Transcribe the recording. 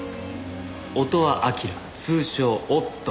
音羽曉通称オット。